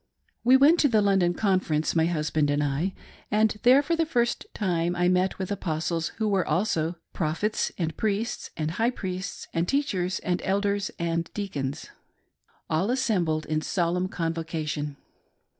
We went to the London Conference — my husband and I — and there for the first time I met with Apostles, who were also Prophets, and Priests, and High priests, and Teachers, and Elders, and Deacons — all assembled in solemn convocation.